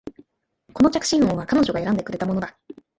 この着信音は彼女が選んでくれたものだ